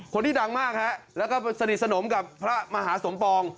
คนที่ดังมากฮะแล้วก็สนิทสนมกับพระมหาสมปอง